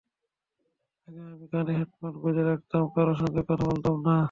আগে আমি কানে হেডফোন গুঁজে রাখতাম, কারও সঙ্গে কথাও বলতাম না।